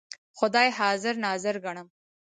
خدای حاضر ناظر ګڼم.